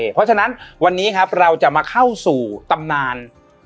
เพราะฉะนั้นวันนี้ครับเราจะมาเข้าสู่ตำนาน